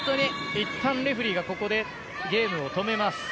いったんレフェリーがゲームを止めます。